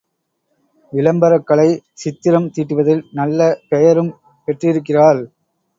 விளம்பரக் கலை சித்திரம் தீட்டுவதில் நல்ல பெயரும் பெற்றிருக்கிறாள்.